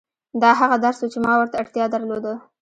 دا هغه درس و چې ما ورته اړتيا درلوده.